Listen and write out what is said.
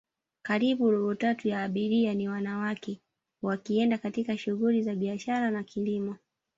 karibu robo tatu ya abiria ni wanawake wakienda katika shuguli za biashara na kilimo